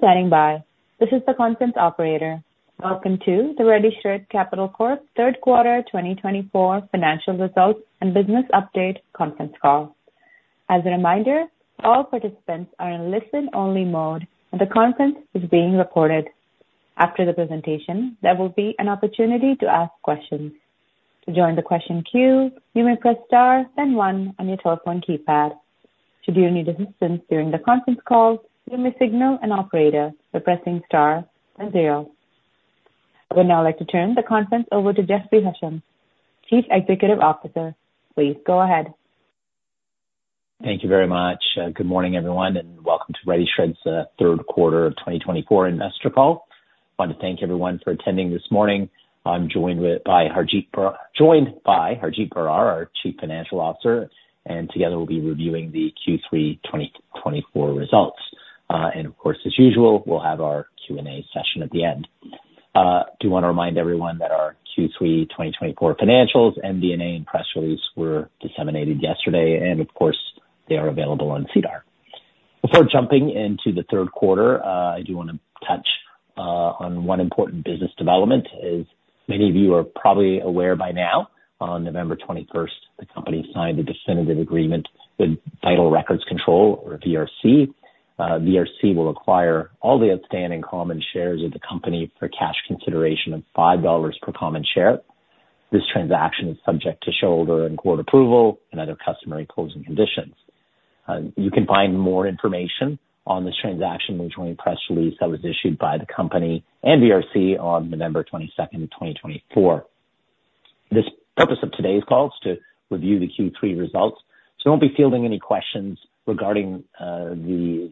Thank you for standing by. This is the conference operator. Welcome to the RediShred Capital Corp third quarter 2024 financial results and business update conference call. As a reminder, all participants are in listen-only mode, and the conference is being recorded. After the presentation, there will be an opportunity to ask questions. To join the question queue, you may press star then one on your telephone keypad. Should you need assistance during the conference call, you may signal an operator by pressing star then zero. I would now like to turn the conference over to Jeffrey Hasham, Chief Executive Officer. Please go ahead. Thank you very much. Good morning, everyone, and welcome to RediShred's third quarter 2024 investor call. I want to thank everyone for attending this morning. I'm joined by Harjit Brar, our Chief Financial Officer, and together we'll be reviewing the Q3 2024 results. And of course, as usual, we'll have our Q&A session at the end. I do want to remind everyone that our Q3 2024 financials, MD&A, and press release were disseminated yesterday, and of course, they are available on SEDAR. Before jumping into the third quarter, I do want to touch on one important business development. As many of you are probably aware by now, on November 21st, the company signed a definitive agreement with Vital Records Control, or VRC. VRC will acquire all the outstanding common shares of the company for cash consideration of 5 dollars per common share. This transaction is subject to shareholder and court approval and other customary closing conditions. You can find more information on this transaction in the joint press release that was issued by the company and VRC on November 22nd, 2024. The purpose of today's call is to review the Q3 results, so we won't be fielding any questions regarding the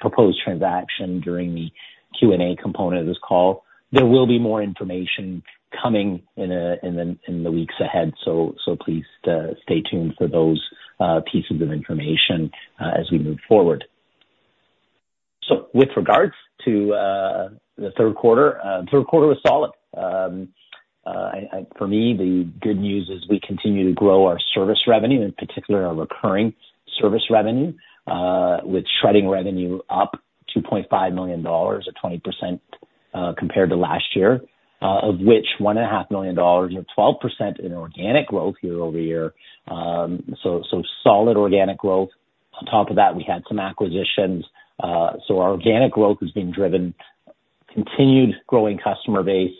proposed transaction during the Q&A component of this call. There will be more information coming in the weeks ahead, so please stay tuned for those pieces of information as we move forward. So with regards to the third quarter, the third quarter was solid. For me, the good news is we continue to grow our service revenue, in particular our recurring service revenue, with shredding revenue up 2.5 million dollars, a 20% compared to last year, of which 1.5 million dollars or 12% in organic growth year over year. So solid organic growth. On top of that, we had some acquisitions. So our organic growth has been driven by continued growing customer base,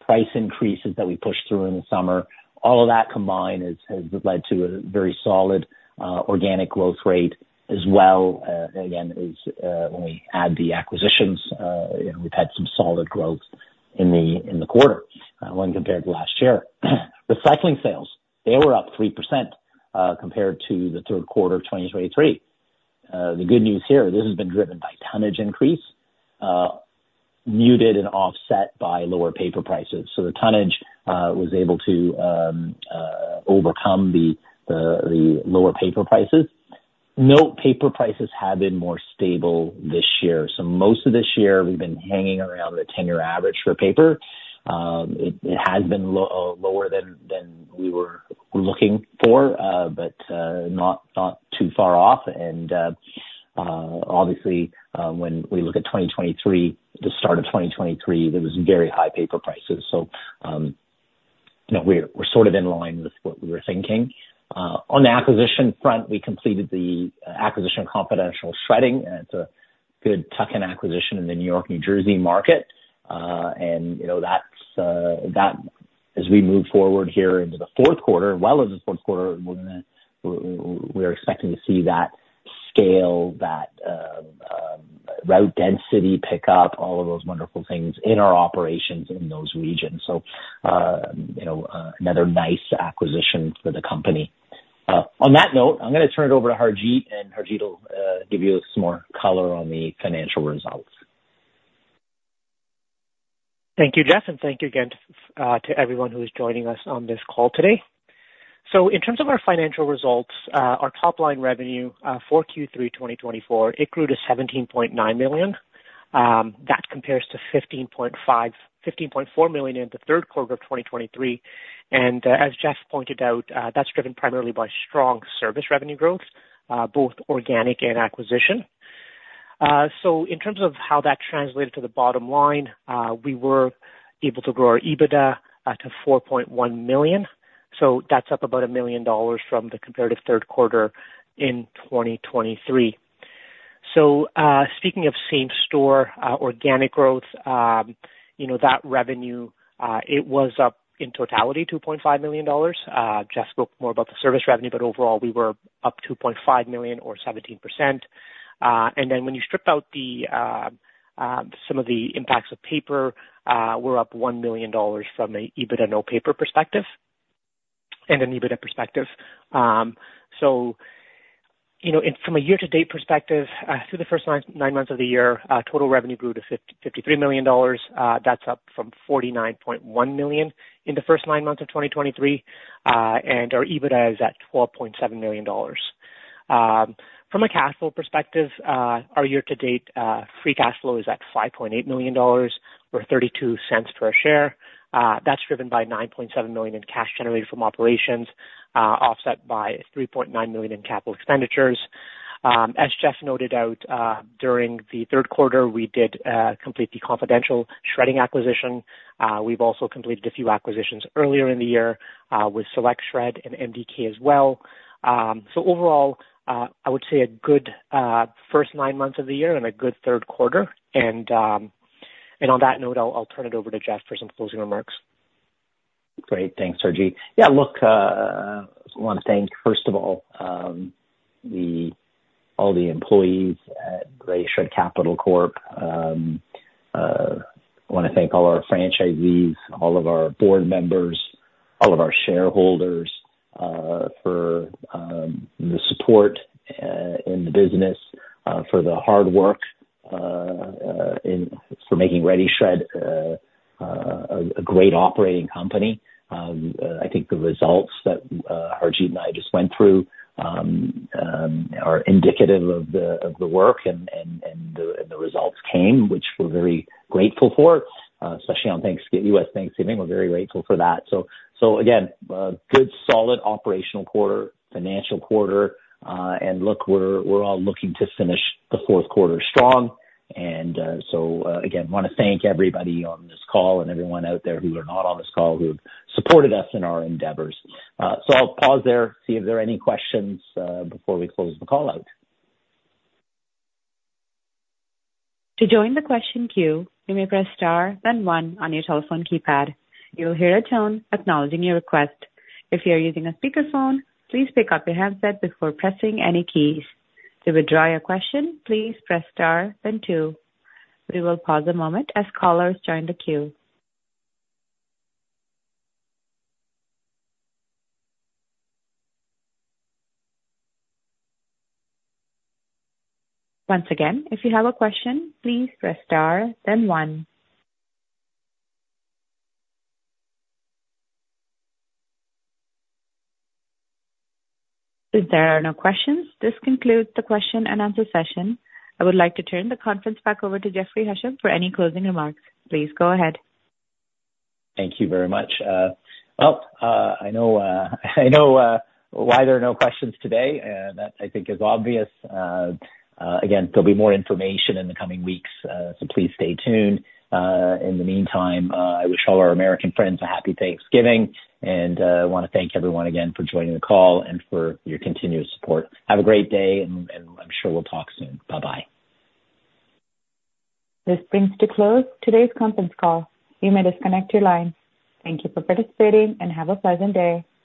price increases that we pushed through in the summer. All of that combined has led to a very solid organic growth rate as well. Again, when we add the acquisitions, we've had some solid growth in the quarter when compared to last year. Recycling sales, they were up 3% compared to the third quarter of 2023. The good news here, this has been driven by tonnage increase, muted and offset by lower paper prices. So the tonnage was able to overcome the lower paper prices. Note paper prices have been more stable this year. So most of this year, we've been hanging around the 10-year average for paper. It has been lower than we were looking for, but not too far off. Obviously, when we look at 2023, the start of 2023, there were very high paper prices. We're sort of in line with what we were thinking. On the acquisition front, we completed the acquisition of Confidential Shredding. It's a good tuck-in acquisition in the New York, New Jersey market. As we move forward here into the fourth quarter, well into the fourth quarter, we're expecting to see that scale, that route density pickup, all of those wonderful things in our operations in those regions. Another nice acquisition for the company. On that note, I'm going to turn it over to Harjit, and Harjit will give you some more color on the financial results. Thank you, Jeff, and thank you again to everyone who is joining us on this call today. So in terms of our financial results, our top-line revenue for Q3 2024, it grew to 17.9 million. That compares to 15.4 million in the third quarter of 2023. And as Jeff pointed out, that's driven primarily by strong service revenue growth, both organic and acquisition. So in terms of how that translated to the bottom line, we were able to grow our EBITDA to 4.1 million. So that's up about 1 million dollars from the comparative third quarter in 2023. So speaking of same-store organic growth, that revenue, it was up in totality 2.5 million dollars. Jeff spoke more about the service revenue, but overall, we were up 2.5 million, or 17%. And then when you strip out some of the impacts of paper, we're up 1 million dollars from an EBITDA no paper perspective and an EBITDA perspective. So from a year-to-date perspective, through the first nine months of the year, total revenue grew to 53 million dollars. That's up from 49.1 million in the first nine months of 2023. And our EBITDA is at 12.7 million dollars. From a cash flow perspective, our year-to-date free cash flow is at 5.8 million dollars, or 0.32 per share. That's driven by 9.7 million in cash generated from operations, offset by 3.9 million in capital expenditures. As Jeff noted out, during the third quarter, we did complete the Confidential Shredding acquisition. We've also completed a few acquisitions earlier in the year with SelectShred and MDK as well. So overall, I would say a good first nine months of the year and a good third quarter. On that note, I'll turn it over to Jeff for some closing remarks. Great. Thanks, Harjit. Yeah, look, I want to thank, first of all, all the employees at RediShred Capital Corp. I want to thank all our franchisees, all of our board members, all of our shareholders for the support in the business, for the hard work, for making RediShred a great operating company. I think the results that Harjit and I just went through are indicative of the work, and the results came, which we're very grateful for, especially on U.S. Thanksgiving. We're very grateful for that. So again, good, solid operational quarter, financial quarter. And look, we're all looking to finish the fourth quarter strong. And so again, I want to thank everybody on this call and everyone out there who are not on this call who have supported us in our endeavors. So I'll pause there, see if there are any questions before we close the call out. To join the question queue, you may press star then one on your telephone keypad. You'll hear a tone acknowledging your request. If you're using a speakerphone, please pick up your headset before pressing any keys. To withdraw your question, please press star then two. We will pause a moment as callers join the queue. Once again, if you have a question, please press star then one. If there are no questions, this concludes the question and answer session. I would like to turn the conference back over to Jeffrey Hasham for any closing remarks. Please go ahead. Thank you very much. Well, I know why there are no questions today. That I think is obvious. Again, there'll be more information in the coming weeks, so please stay tuned. In the meantime, I wish all our American friends a happy Thanksgiving and want to thank everyone again for joining the call and for your continued support. Have a great day, and I'm sure we'll talk soon. Bye-bye. This brings to a close today's conference call. You may disconnect your line. Thank you for participating and have a pleasant day.